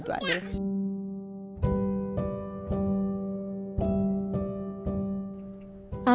tidak ada yang dapat bantuan